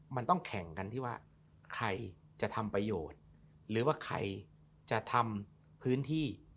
มันต้องแข่งกันที่ว่าใครจะทำประโยชน์หรือว่าใครจะทำพื้นที่